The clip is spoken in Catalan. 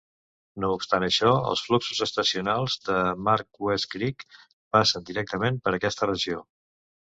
No obstant això, els fluxos estacionals de Mark West Creek passen directament per aquesta regió.